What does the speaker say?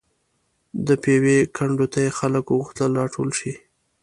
د پېوې کنډو ته یې خلک وغوښتل راټول شي.